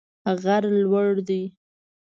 غر لوړ دی